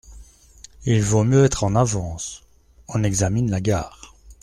Il vaut mieux être en avance !… on examine la gare !